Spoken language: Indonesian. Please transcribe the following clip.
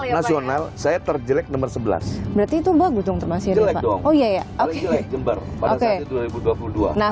lima ratus empat puluh nasional saya terjelek nomor sebelas berarti tumbuh gutung termasuk oh ya ya oke oke nah